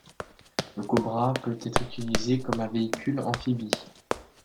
Le Cobra peut être utilisé comme un véhicule amphibie.